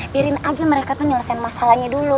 biarin aja mereka tuh nyelesain masalahnya dulu